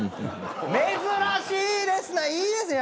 珍しいですね、いいですね。